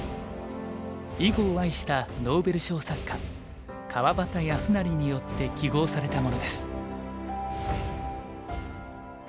囲碁を愛したノーベル賞作家川端康成によって揮ごうされたものです。